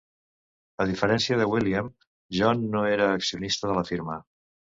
A diferència de William, John no era accionista de la firma.